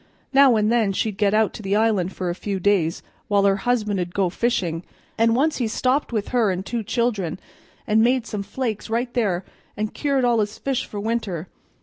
Now and then she'd get out to the island for a few days while her husband'd go fishin'; and once he stopped with her an' two children, and made him some flakes right there and cured all his fish for winter.